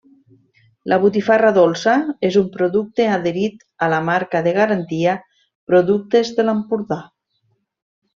La botifarra dolça és un producte adherit a la Marca de garantia Productes de l'Empordà.